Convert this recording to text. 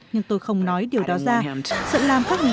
nhưng tôi không nói điều đó ra sợ làm các người khách hoảng sợ